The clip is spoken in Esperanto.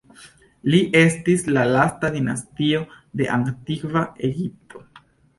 Ili estis la lasta dinastio de Antikva Egipto.